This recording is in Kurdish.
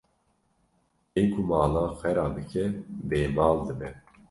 Yên ku malan xera bike bê mal dibe